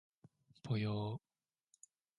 ぽよー